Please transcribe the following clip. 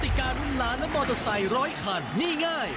ติการุ้นล้านและมอเตอร์ไซค์ร้อยคันนี่ง่าย